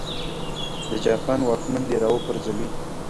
د جاپان واکمن دې را وپرځوي.